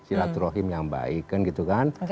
silaturahim yang baik kan gitu kan